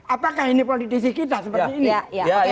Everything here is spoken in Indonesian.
apakah ini politisi kita seperti ini